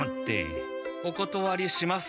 おことわりします。